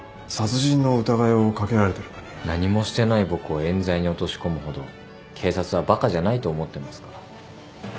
何もしてない僕を冤罪に落とし込むほど警察はバカじゃないと思ってますから。